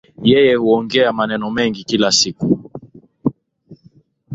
Yeye huongea maneno mengi kila siku